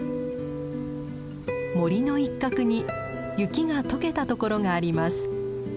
森の一角に雪が解けたところがあります。